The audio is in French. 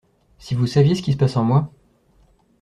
Si vous saviez ce qui se passe en moi.